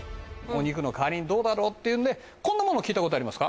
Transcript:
どうだろうっていうんでこんなもの聞いたことありますか。